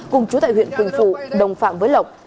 cùng chú tại huyện quỳnh phụ đồng phạm với lộc